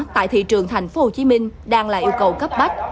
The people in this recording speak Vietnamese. tại thị trường tp hcm đang là yêu cầu cấp bách